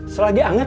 setelah dia hangat